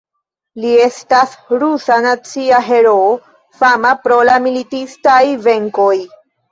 Li estas rusa nacia heroo, fama pro la militistaj venkoj.